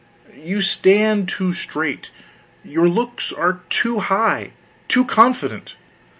You stand too straight, your looks are too high, too confident.